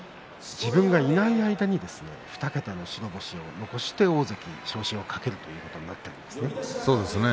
自分がいない間に２桁の白星を残して大関昇進を懸けるということになったわけですね。